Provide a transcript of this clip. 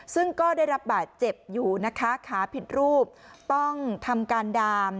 ซึ่งก็ได้รับบาดเจ็บอยู่นะคะขาผิดรูปต้องทำการดาม